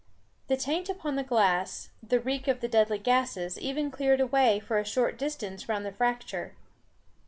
The taint upon the glass, the reek of the deadly gases, even cleared away for a short distance round the fracture.